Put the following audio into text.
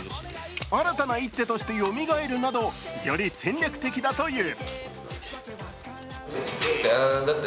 新たな一手としてよみがえるなどより戦略的だという。